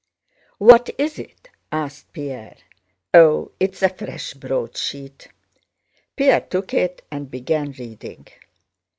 "What is it?" asked Pierre. "Oh, it's a fresh broadsheet." Pierre took it and began reading.